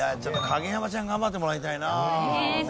影山ちゃん頑張ってもらいたいな。